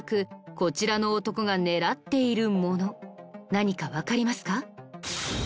何かわかりますか？